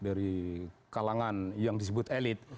dari kalangan yang disebut elit